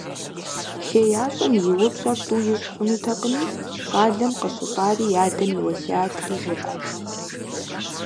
ХеящӀэм и упщӀэр тӀу ищӀ хъунутэкъыми, щӀалэм къыщыщӏари и адэм и уэсиятри жеӀэж.